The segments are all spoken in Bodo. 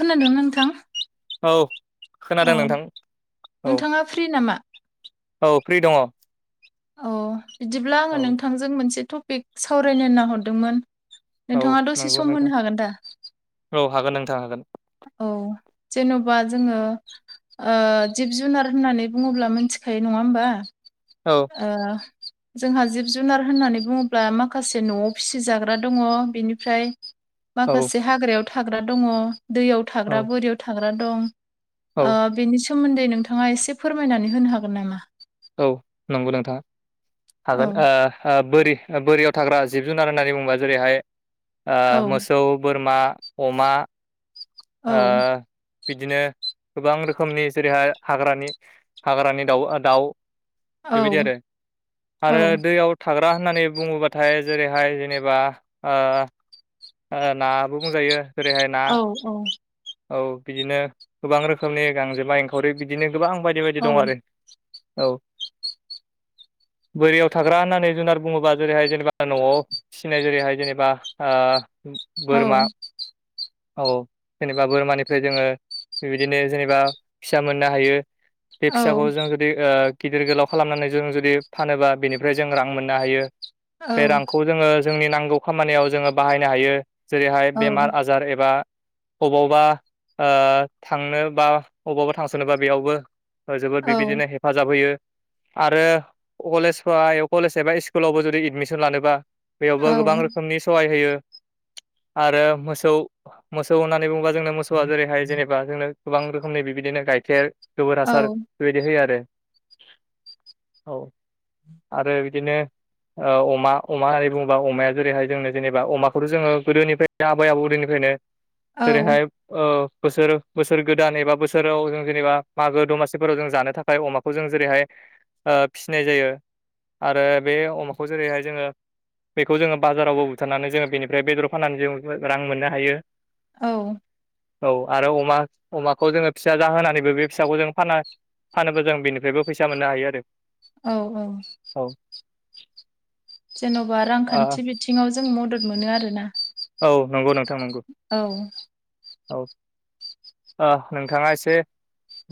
खोनादोंना नोंथां औ खोनादों औ नोंथां औ नोंथाङा फ्रि नामा? औ फ्रि दङ। अ बिदिब्ला आङो नोंथांजों मोनसे टपिक सावरायनो होननानै हरदोंमोन। औ नोंथाङा दसे नंगौ सम नोंथां होनो हागोन दा? औ हागोन नोंथां हागोन। औ जेन'बा जोङो जिब जुनार होननानै बुङोब्ला मोनथिखायो नङा होमबा? औ ओ जोंहा जिब जुनार होननानै बुङोब्ला माखासे न'आव फिसिजाग्रा दङ बेनिफ्राय औ माखासे हाग्रायाव थाग्रा दङ दैयाव थाग्रा औ बोरियाव थाग्रा दं। औ बेनि सोमोन्दै नोंथाङा एसे फोरमायनानै होनो हागोन नामा? औ नंगौ नोंथां हागोन औ ओ बोरि बोरियाव थाग्रा जिब जुनार होननानै बुङोबा जेरैहाय ओ औ मोसौ बोरमा अमा ओ औ बिदिनो गोबां रोखोमनि जेरैहाय हाग्रानि हाग्रानि दाउ दाउ बेबायदि औ आरो आरो औ दैयाव थाग्रा होननानै बुङोबाथाय जेरैहाय जेनेबा ओ नाबो बुंजायो ओेरैहाय ना औ औ औ बिदिनो गोबां रोखोमनि गांजेमा एंखावरि बिदिनो गोबां बायदि बायदि दं औ आरो औ बोरियाव थाग्रा होननानै जुनार बुङोबा जेरैहाय जेनेबा नआव फिसिनाय जेरैहाय जेनेबा ओ औ बोरमा औ जेनेबा बोरमानिफ्राय जोङो बिबायदिनो जेनेबा फिसा मोननो हायो। बे औ फिसाखौ जों जुदि ओ गिदिर गोलाव खालामनानै जों जुदि फानोबा बेनिफ्राय जों रां मोननो हायो औ बे रां खौ जोङो जोंनि नांगौ खामानियाव जोङो बाहायनो हायो जेरैहाय औ बेमार आजार एबा अबावबा थांनो बा अबावबा थांस'नोबा बेयावबो जोबोद औ बेबायदिनो हेफाजाब होयो आरो कलेज कलेज एबा स्कुलावबो जुदि एदमिसन लानोबा बेयावबो गोबां औ रोखोमनि सहाय होयो। आरो मोसौ मोसौ होननानै बुङोबा जोंनो मोसौआ जेरैहाय जेनेबा जोंनो गोबां रोखोमनि बेबायदिनो गाइखेर गोबोर हासार बेबायदि होयो आरो। औ आरो बिदिनो ओ अमा होननानै बुङोबा अमाया जेरैहाय जोंनो जेनेबा अमाखौथ' जोङो गोदोनिफ्राय‌ आबै आबौ उदैनिफ्रायनो जेरैहाय औ ओ बोसोर बोसोर गोदान एबा बोसोराव जों जेनेबा मागो दमासिफोराव जों जानो थाखाय अमाखौ खौ जों जेरैहाय फिसिनाय जायो आरो बे अमाखौ जेरैहाय जोङो बेखौ जोङो बाजारावबो बुथारनानै जोङो बेनिफ्राय बेदर फाननानै जों रां मोननो हायो। औ औ आरो अमा अमाखौ जोङो फिसा जाहोनानैबो बे फिसाखौ जों फानोब्ला जों बेनिफ्रायबो फैसा मोननो हायो आरो। औ औ। औ जेन'बा रांखान्थि ओ बिथिङाव जों मदद मोनो आरोना। औ नंगौ नोंथां नंगौ। औ ओ नोंथाङा एसे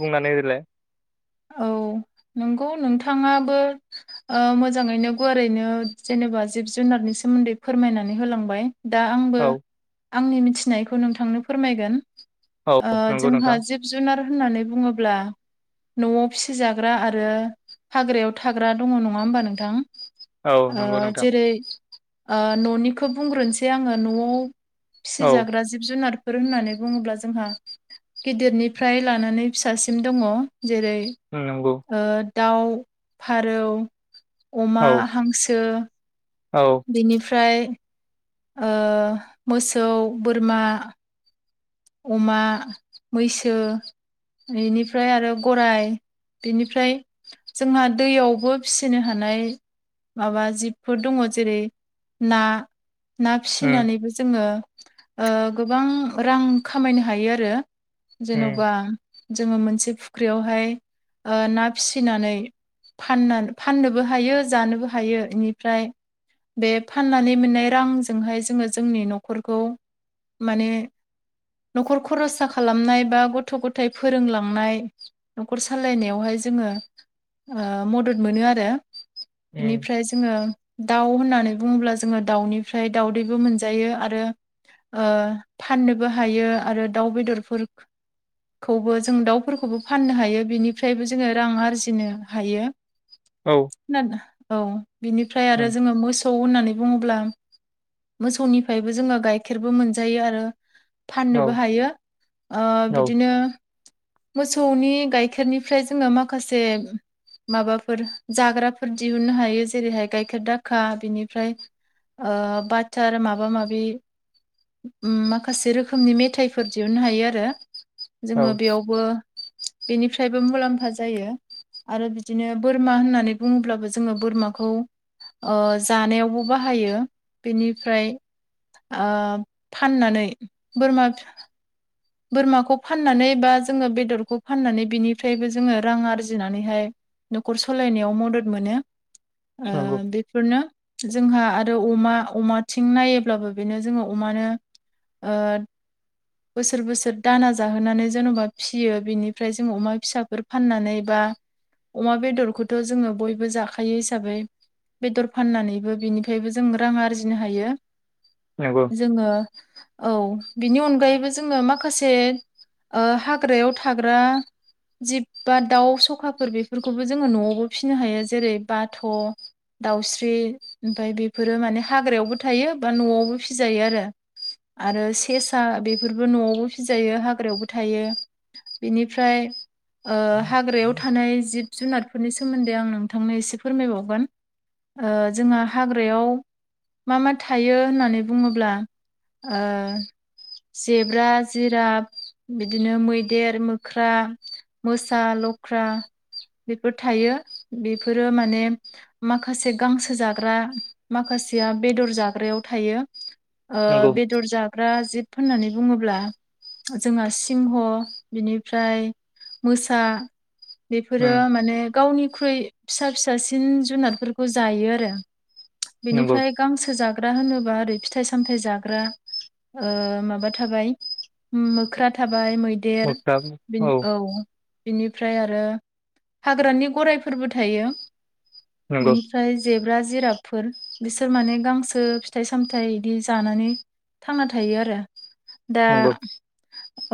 बुंनानै होग्रोलाय। औ नंगौ नोंथाङाबो ओ मोजाङैनो गुवारैनो जेनेबा जिब जुनारनि सोमोन्दै फोरमायनानै होलांबाय। दा आंबो औ आंनि मिथिनायखौ नोंथांनो फोरमायगोन। औ ओ नंगौ नोंथां जोंहा जिब जुनार होननानै बुङोब्ला न'आव फिसिजाग्रा आरो हाग्रायाव थाग्रा दङ नङा होमबा नोंथां। औ ओ नंगौ नोंथां जेरै ओ न'निखौ बुंग्रोनोसै आङो न'आव औ फिसिजाग्रा जिब जुनार बेफोर होननानै बुङोब्ला जोंहा गिदिरनिफ्राय लानानै फिसासिम दङ जेरै ओम नंगौ ओ दाउ, फारौ, अमा, औ हांसो औ बिनिफ्राय ओ मोसौ, बोरमा अमा, मैसो बेनिफ्राय आरो गराय बेनिफ्राय जोंहा दैयावबो फिसिनो हानाय माबा जिबफोर दङ जेरै ना ना उम फिसिनानैबो जोङो ओ गोबां रां खामायनो हायो आरो उम जेन'बा जोङो मोनसे फुख्रियावहाय ओ ना फिसिनानै फानना फाननोबो हायो जानोबो हायो बेनिफ्राय बे फाननानै मोननाय रांजोंहाय जोङो जोंनि न'खरखौ माने न'खर खरसा खालामनाय बा गथ' गथायाइ फोरोंलांनाय न'खर सालायनायावहाय जोङो ओ मदद मोनो आरो उम बिनिफ्राय जों ङो दाउ होननानै बुङोब्ला जोङो दाउनिफ्राय दाउदैबो मोनजायो आरो फाननोबो हायो आरो दाउ बेदरफोर खौबो जों दाउफोरखौबो फाननो हायो बेनिफ्रायबो जोङो रां आरजिनो हायो। [inaudible] औ औ बिनिफ्राय आरो उम जोङो मोसौ होननानै बुङोब्ला मोसौनिफ्रायबो जोङो गाइखेरबो मोनजायो आरो फाननोबो औ हायो ओ औ बिदिनो मोसौनि गाइखेरनिफ्राय जोङो माखासे माबाफोर जाग्राफोर दिहुननो हायो जेरैहाय गायखेर दाखा बिनिफ्राय ओ बाथार माबा माबि ओम माखासे रोखो मनि मेथाइफोर दिहुननो हायो आरो जोङो औ बेयावबो बेनिफ्रायबो मुलाम्फा जायो। आरो बिदिनो बोरमा होननानै बुङोब्लाबो जोङो बोरमाखौ ओ जानायावबो बाहायो बेनिफ्राय ओ फाननानै बोरमा बोरमाखौ फाननानै बा जोङो बेदरखौ फाननानै बिनिफ्रायबो जोङो रां आरजिनानैहाय न'खर सालायनायाव मदद मोनो ओ नंगौ बे फोरनो जोंहा आरो अमा अमाथिं नायोब्लाबो बेनो जोङो अमानो ओ बोसोर बोसोर दाना जाहोनानै जेन'बा फिसियो बिनिफ्राय जों अमा फिसाफोर फाननानै बा अमा बेदरखौथ' जोङो बयबो जाखायो हिसाबै बेदर फाननानैबो बिनिफ्रायबो जों रां आरजिनो हायो। नंगौ जोङो औ बिनि अनगायैबो जोङो माखासे ओ हाग्रायाव थाग्रा जिब बा दाउ सखाफोर बेफोरखौबो जोङो न'आवबो फिसिनो हायो। जेरै बाथ' दाउस्रि ओमफाय बेफोरो माने हाग्रायावबो थायो बा न'आवबो फिजायो आरो। आरो सेसा बेफोरबो न'आवबो फिजायो हाग्रायावबो थायो। बिनिफ्राय ओ हाग्रायाव थानाय जिब जुनारफोरनि सोमोन्दै आं नोंथांनो एसे फोरमाय बावगोन। ओ जोंहा हाग्रायाव मा मा थायो होननानै बुङोब्ला ओ जेब्रा, जिराब बिदिनो मैदेर, मोख्रा मोसा, लख्रा बेफोर थायो। बेफोरो माने माखासे गांसो जाग्रा माखासेया बेदर जाग्रायाव थायो। ओ नंगौ बेदर जाग्रा जिब होननानै बुङोब्ला। जोंहा सिंह बिनिफ्राय मोसा बेफोरो उम माने गावनिख्रुइ फिसा फिसासिन जुनारफोरखौ जायो आरो। नंगौ बेनिफ्राय गांसो जाग्रा होनोबा ओरै फिथाय सामथाय जाग्रा ओ माबा थाबाय मोख्रा थाबाय मैदेर बिन औ बिनिफ्राय आरो हाग्रानि गरायफोरबो थायो। नंगौ नि फ्राय जेब्रा, जिराबफोर बिसोर माने गांसो फिथाइ सामथाइ इदि जानानै थांना थायो आरो। दा नंगौ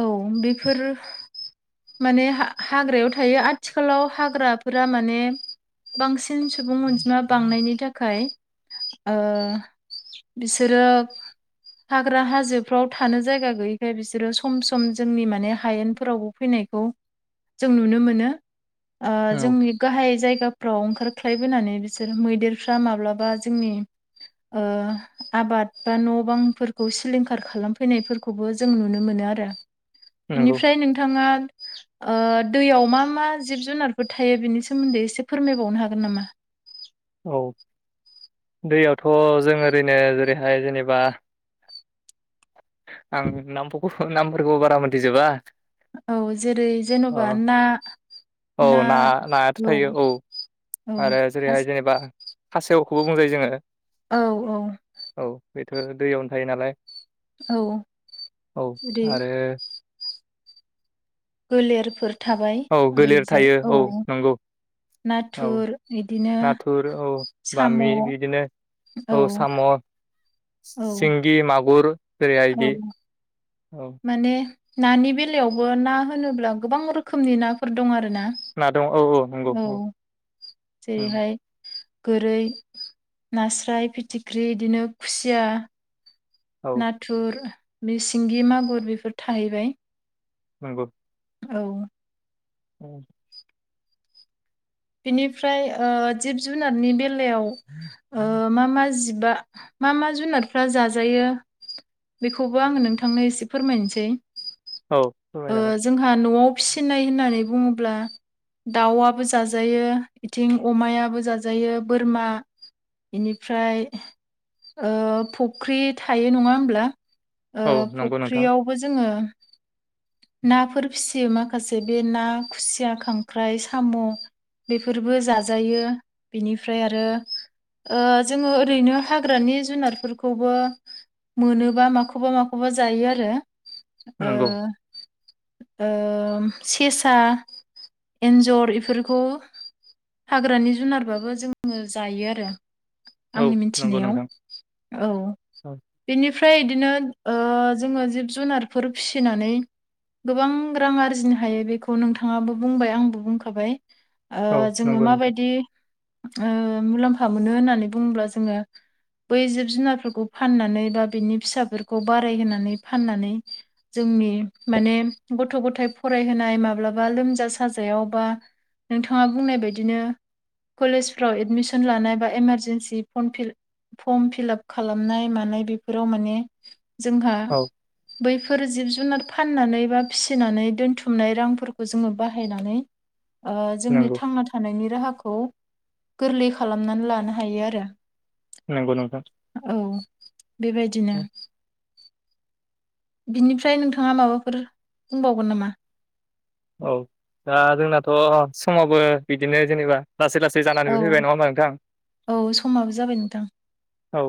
औ बेफोरो माने हा-हाग्रायाव थायो। आथिखालाव हाग्राफोरा माने बांसिन सुबुं अनजिमा बांनायनि थाखाय ओ बिसोरो हाग्रा हाजो फ्राव थानो जायगा गैयैखाय बिसोरो सम सम जोंनि माने हायेनफोरावबो फैनायखौ जों नुनो मोनो। ओ औ जोंनि गाहाय जायगाफ्राव ओंखारख्लाय बोनानै बिसोर मैदेरफ्रा माब्लाबा जोंनि ओ आबाद बा न' बांफोरखौ सिलिं खार खालाम फैनायफोरखौबो जों नुनो मोनो आरो। नंगौ बिनिफ्राय नोंथाङा ओ दैयाव मा मा जिब जुनारफोर थायो। बिनि सोमोन्दै एसे फोरमायबावनो हागोन नामा? औ दैयावथ' जों ओरैनो जेरैहाय जेनेबा आं नामफ'खौ नामफोरखौ बारा मोनथि जोबा। औ जेरै जेन'बा ना औ ना नायाथ' औ थायो औ आरो खास जेरैहाय जेनेबा खासेवखौबो बुंजायो जोङो। औ औ औ बेथ' दैयावनो थायो नालाय। औ औ जुदि आरो गोलेरफोर थाबाय औ गोलेर ओरैजाय थायो। औ नंगौ। औ नाथुर इदिनो नाथुर औ साम' बामि औ बिदिनो औ साम', औ सिंगि, मागुर जरै औ हायदि औ माने नानि बेलायावबो ना होनोब्ला गोबां रोखोमनि नाफोर दं आरो ना। औ जेरैहाय गोरै, नास्राय, फिथिख्रि बिदिनो खुसिया औ नाथुर मि सिंगि मागुर बेफोर थाहैबाय। नंगौ। औ उम बिनिफ्राय ओ जिब जुनारनि बेलायाव मा मा जिबा मा मा जुनारफ्रा जाजायो। बेखौबो आङो नोंथांनो एसे फोरमायनोसै। औ फोरमाय ओ जागोन जोंहा न'आव फिसिनाय होननानै बुङोब्ला दाउआबो जों जाजायो बेथिं अमायाबो जाजायो बोरमा बेनिफ्राय ओ फुख्रि थायो नङा होमब्ला ओ औ नंगौ नोंथां फुख्रियावबो जोङो नाफोर फिसियो माखासे बे ना खुसिया खांख्राइ साम' बेफोरबो जाजायो बेनिफ्राय आरो ओ जोङो ओरैनो हाग्रानि जुनारफोरखौबो मोनोबा माखौबा माखौबा जायो आरो ओ नंगौ ओ सेसा एन्जर इफोरखौ हाग्रानि जुनारबाबो जोङो जायो आरो औ आंनि नंगौ मिथिनायाव नोंथां औ बिनिफ्राय बिदिनो ओ जोङो जिब जुनारफोर फिसिनानै गोबां रां आरजिनो हायो बेखौ नोंथाङाबो बुंबाय आंबो बुंखाबाय ओ औ जोङो नंगौ नोंथां माबायदि ओ मुलाम्फा मोनो होननानै बुङोब्ला जोङो बै जिब जुनारफोरखौ फाननानै बा बेनि फिसाफोरखौ बाराय होनानै फाननानै जोंनि माने गथ' गथाय फरायहोनाय माब्लाबा लोमजा साजायाव बा नोंथाङा बुंनाय बायदिनो कलेजफ्राव एडमिसन लानाय बा इमारजेन्सि [unintelligible] फर्म फिलाप खालामनाय मानाय बेफोराव माने जोंहा औ बैफोर जिब जुनारफोर फाननानै बा फिसिनानै दोनथुमनाय रांफोरखौ जोङो बाहायनानै ओ जोंनि नंगौ थांना थानायनि राहाखौ गोरलै खालामनानै लानो हायो आरो नंगौ नोंथां औ बेबायदिनो बिनिफ्राय नोंथाङा माबाफोर बुंबावगोन नामा औ दा जोंनाथ' समावबो बिदिनो जेनेबा लासै लासै औ जानानैबो फैबाय नङा होमबा नोंथां औ समाबो जाबाय नोंथां औ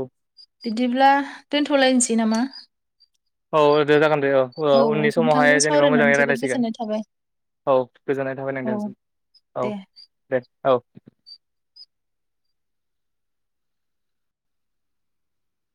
बिदिब्ला दोनथ'लायनोसै नामा औ दे जागोन दे औ औ उननि समावहाय नोंथांजों जेनेबा सावरायनानै मोजाङै जोबोद रायज्लायसिगोन गोजोननाय थाबाय औ गोजोननाय थाबाय नांदों औ औ दे दे औ